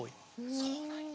そうなんや。